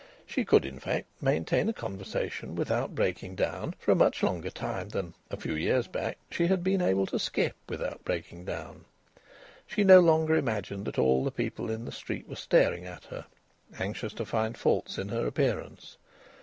She could, in fact, maintain a conversation without breaking down for a much longer time than, a few years ago, she had been able to skip without breaking down. She no longer imagined that all the people in the street were staring at her, anxious to find faults in her appearance.